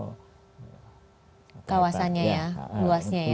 kawasannya ya luasnya ya begitu ya